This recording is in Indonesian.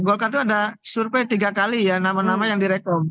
golkar itu ada survei tiga kali ya nama nama yang direkom